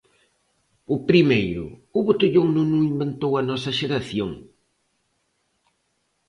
O primeiro, o botellón non o inventou a nosa xeración.